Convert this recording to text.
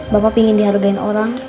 bapak ingin dihargai orang